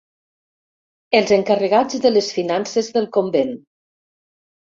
Els encarregats de les finances del convent.